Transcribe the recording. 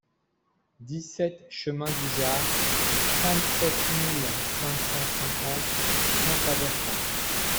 dix-sept chemin du Jard, trente-sept mille cinq cent cinquante Saint-Avertin